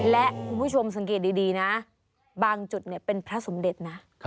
และคุณผู้ชมสังเกตดีนะบางจุดเป็นพระสมเด็จนะ